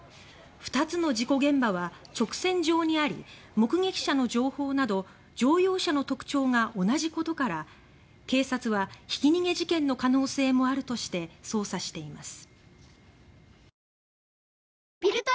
２つの事故現場は直線上にあり目撃者の情報など乗用車の特徴が同じことから警察は、ひき逃げ事件の可能性もあるとして捜査しています。